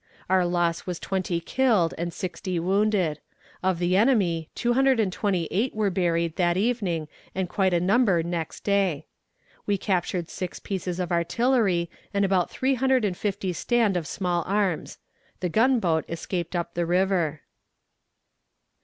Our loss was twenty killed and sixty wounded. Of the enemy two hundred and twenty eight were buried that evening and quite a number next day. We captured six pieces of artillery and about three hundred and fifty stand of small arms. The gunboat escaped up the river.